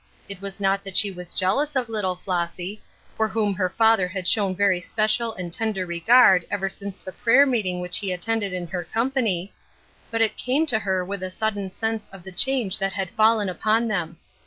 It was not that she was jealous of little Flossy, for whom her father had shown very special and tender regard ever since the prayer meeting which he attended in her company, but it came to her with a sudden sense of the change that had fallen upon them.